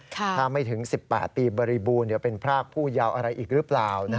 ถ้าไม่ถึง๑๘ปีบริบูรณ์เดี๋ยวเป็นพรากผู้เยาว์อะไรอีกหรือเปล่า